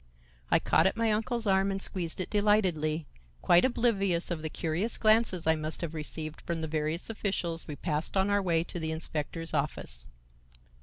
I caught at my uncle's arm and squeezed it delightedly, quite oblivious of the curious glances I must have received from the various officials we passed on our way to the inspector's office.